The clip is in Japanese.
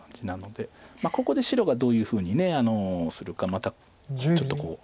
ここで白がどういうふうにするかまたちょっと。